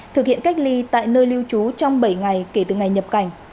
thực hiện cách ly tại nơi lưu trú trong bảy ngày kể từ ngày nhập cảnh